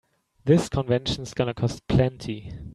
This convention's gonna cost plenty.